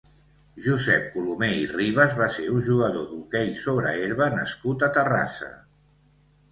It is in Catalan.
Josep Colomer i Ribas va ser un jugador d'hoquei sobre herba nascut a Terrassa.